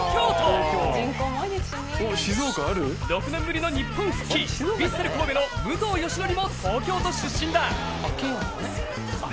６年ぶりの日本復帰、ヴィッセル神戸に所属する武藤も東京都出身だ！